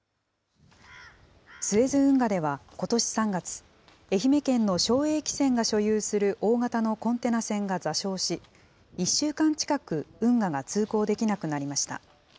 スエズ運河ではことし３月、愛媛県の正栄汽船が所有する大型のコンテナ船が座礁し、１週間近く、運河が通航できなくなりました。